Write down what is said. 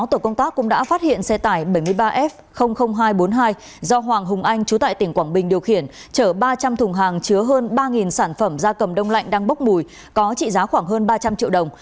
tổ công tác cũng đã phát hiện xe tải bảy mươi ba f hai trăm bốn mươi hai do hoàng hùng anh chú tại tỉnh quảng bình điều khiển chở ba trăm linh thùng hàng chứa hơn ba sản phẩm da cầm đông lạnh đang bốc mùi có trị giá khoảng hơn ba trăm linh triệu đồng